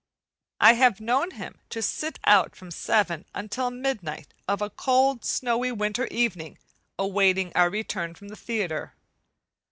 I have known him to sit out from seven until midnight of a cold, snowy winter evening, awaiting our return from the theatre.